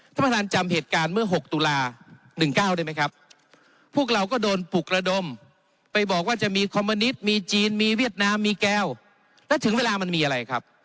ท่านประธานจำเหตุการณ์เมื่อ๖ตุลา๑๙ได้ไหมครับพวกเราก็โดนปลุกระดมไปบอกว่าจะมีคอมมิวนิตมีจีนมีเวียดนามมีแก้วแล้วถึงเวลามันมีอะไรครับ